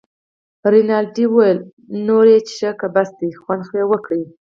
رینالډي وویل: نور یې څښې که بس ده، خوند خو یې وکړ.